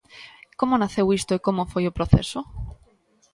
Como naceu isto e como foi o proceso?